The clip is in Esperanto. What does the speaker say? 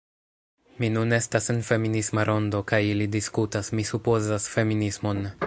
Mi nun estas en feminisma rondo kaj ili diskutas... mi supozas... feminismon